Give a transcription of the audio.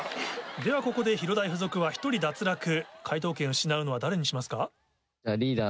ではここで広大附属は１人脱落解答権を失うのは誰にしますか？